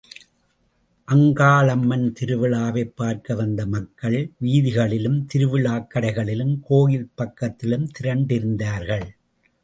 அங்காளம்மன் திருவிழாவைப் பார்க்க வந்த மக்கள் வீதிகளிலும் திருவிழாக் கடைகளிலும் கோயில் பக்கத்திலும் திரண்டிருந்தார்கள்.